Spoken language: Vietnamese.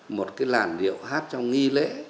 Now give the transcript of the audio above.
một cái làn điệu hát trong nghi lễ